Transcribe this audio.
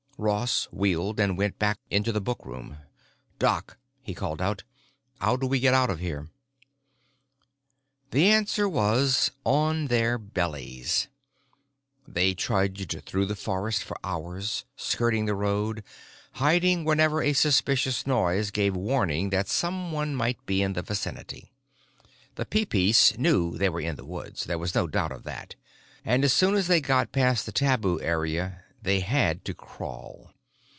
Ross wheeled and went back into the book room. "Doc," he called, "how do we get out of here?" The answer was: on their bellies. They trudged through the forest for hours, skirting the road, hiding whenever a suspicious noise gave warning that someone might be in the vicinity. The Peepeece knew they were in the woods; there was no doubt of that. And as soon as they got past the tabu area, they had to crawl.